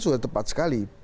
sudah tepat sekali